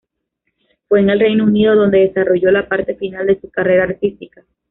Fue en el Reino Unido donde desarrolló la parte final de su carrera artística.